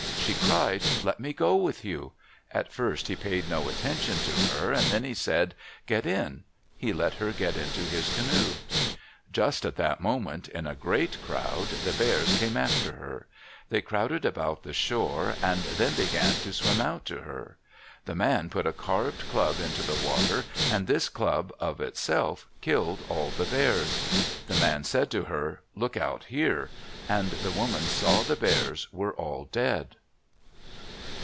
She cried, "Let me go with you!" At first he paid no attention to her, then he said, "Get in." He let her get into his canoe. Just at that moment, in a great crowd, the Bears came after her. They crowded about the shore and then began to swim out to her. The man put a carved club into the water, and this club of itself killed all the Bears. The man said to her, "Look out here," and the woman saw the Bears were all dead.